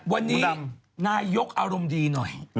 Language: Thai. วันนี้นายกอารมณ์ดีหน่อย